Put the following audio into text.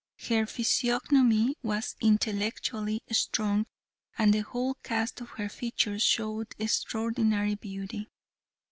Her physiognomy was intellectually strong, and the whole cast of her features showed extraordinary beauty.